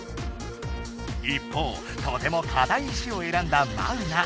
一方とてもかたい石を選んだマウナ。